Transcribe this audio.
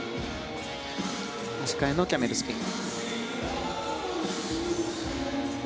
足換えのキャメルスピン。